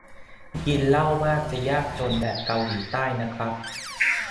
กินเหล้ามาก จะยากจนแบบเกาหลีใต้นะครับ